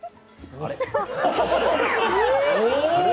あれ？